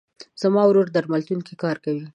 زما ورور درملتون کې کار کوي.